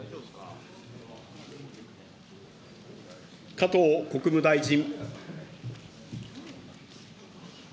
加藤国務大臣。